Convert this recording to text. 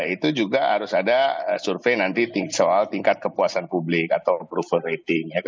itu juga harus ada survei nanti soal tingkat kepuasan publik atau approval rating